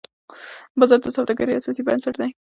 بازار د سوداګرۍ اساسي بنسټ دی.